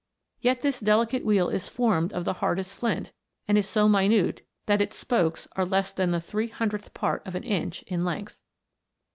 Yet this delicate wheel is formed of the hardest flint, and is so minute that its spokes are less than the three hundredth part of an inch in length